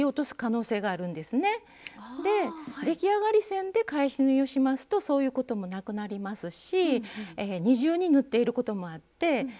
出来上がり線で返し縫いをしますとそういうこともなくなりますし二重に縫っていることもあってバッグの強度がアップします。